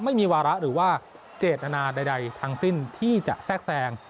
ไม่มีวาระหรือว่าเจตนาใดทั้งสิ้นที่จะแทรกแทรง